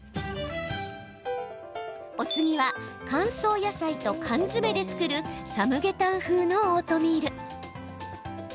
お次は、乾燥野菜と缶詰で作るサムゲタン風オートミール。